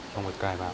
trong một cái vào